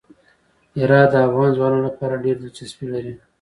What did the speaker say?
هرات د افغان ځوانانو لپاره ډېره دلچسپي لري.